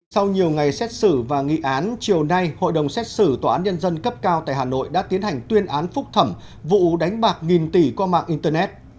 sau nhiều ngày xét xử và nghị án chiều nay hội đồng xét xử tòa án nhân dân cấp cao tại hà nội đã tiến hành tuyên án phúc thẩm vụ đánh bạc nghìn tỷ qua mạng internet